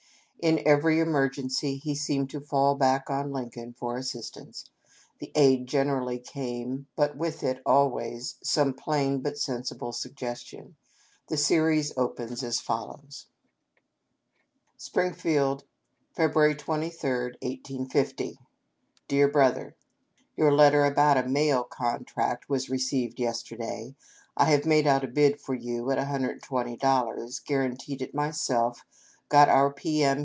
In every emer gency he seemed to fall back on Lincoln for assistance. The aid generally came, but with it always some plain but sensible suggestion. The series opens as follows : "Springfield, Feb. 23, 1850. " Dear Brother :" Your letter about a mail contract was received yesterday. I have made out a bid for you at $120, guaranteed it myself, got our P. M.